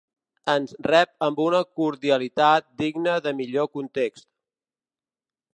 Ens rep amb una cordialitat digna de millor context.